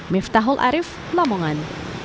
miftahul arief lamongan